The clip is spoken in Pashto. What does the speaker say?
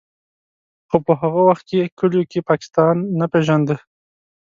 خو په هغه وخت کې کلیو کې پاکستان نه پېژانده.